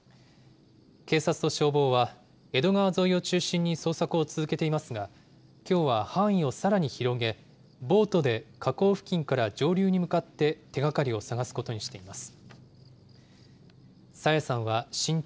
警察と消防は、江戸川沿いを中心に捜索を続けていますが、きょうは範囲をさらに広げ、ボートで河口付近から上流に向かって手がかりを探すことにしています。